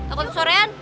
aku tuh sorean